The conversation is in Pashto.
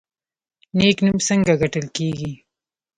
نیک نوم څنګه ګټل کیږي؟